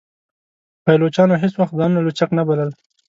پایلوچانو هیڅ وخت ځانونه لوچک نه بلل.